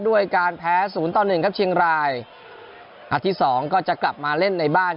ด้วยการแพ้ศูนย์ต่อหนึ่งครับเชียงรายนัดที่สองก็จะกลับมาเล่นในบ้าน